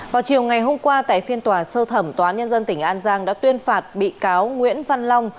vào chiều ngày hôm qua tại phiên tòa sơ thẩm tòa án nhân dân tỉnh an giang đã tuyên phạt bị cáo nguyễn văn long